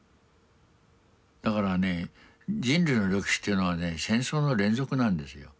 だからね人類の歴史というのはね戦争の連続なんですよ。